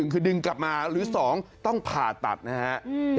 คือดึงกลับมาหรือ๒ต้องผ่าตัดนะฮะ